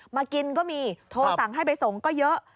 มากินก็มีโทรสั่งให้ไปส่งก็เยอะ